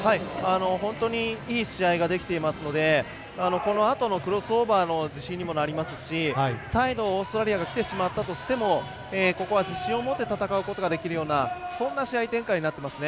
本当にいい試合ができていますのでこのあとのクロスオーバーの自信にもなりますし再度、オーストラリアがきてしまったとしてもここは自信を持って戦うことができるようなそんな試合展開になっていますね。